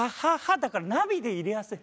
だからナビで入れやすい。